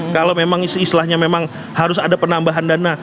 kalau memang seislahnya memang harus ada penambahan dana